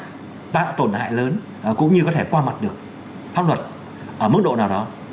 và tạo tổn hại lớn cũng như có thể qua mặt được pháp luật ở mức độ nào đó